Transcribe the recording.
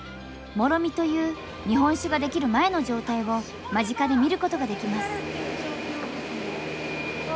「もろみ」という日本酒ができる前の状態を間近で見ることができます。